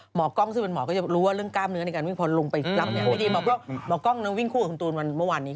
หมอกล้องซึ่งหมอก็จะรู้ว่าเรื่องกล้ามเนื้อในการวิ่งพรลงไปรับ